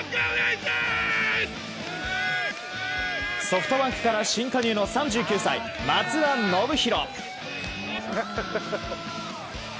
ソフトバンクから新加入の３９歳、松田宣浩。